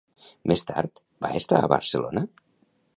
Més tard, va estar a Barcelona?